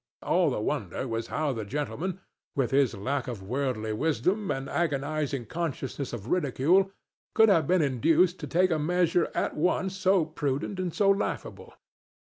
All the wonder was how the gentleman, with his lack of worldly wisdom and agonizing consciousness of ridicule, could have been induced to take a measure at once so prudent and so laughable.